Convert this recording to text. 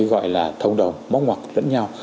gọi là thông đồng móng hoặc lẫn nhau